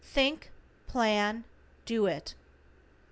THINK, PLAN, DO IT.